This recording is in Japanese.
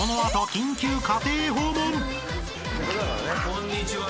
こんにちは。